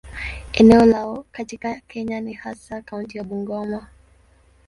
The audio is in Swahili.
Eneo lao katika Kenya ni hasa kaunti ya Bungoma.